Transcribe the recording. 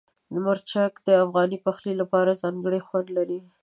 مرچک د افغاني پخلي لپاره ځانګړی خوند لري.